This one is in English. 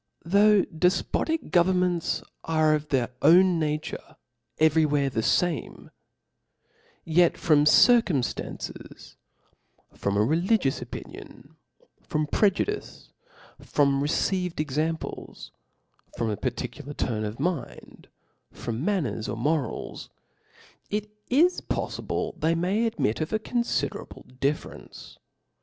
^xu/ THOUGH dcfpotic governments are of their Chap.'a9. 0''^" naturc every where the fame; yet from circumftances, from a religious opinion^ from pre* judice, from received examples, from a particular turn of mind, from manners or morals, it is pofli ble they may admit of aconfiderable difierence.